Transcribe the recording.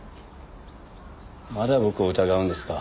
まだ僕を疑うんですか？